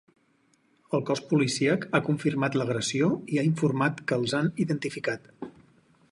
El cos policíac ha confirmat l’agressió i ha informat que els han identificat.